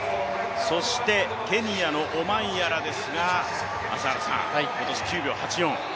そしてケニアのオマンヤラですが、今年９秒８４。